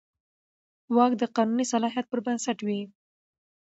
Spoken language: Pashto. واک د قانوني صلاحیت پر بنسټ وي.